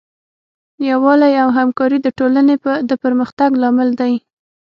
یووالی او همکاري د ټولنې د پرمختګ لامل دی.